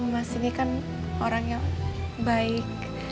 mas ini kan orang yang baik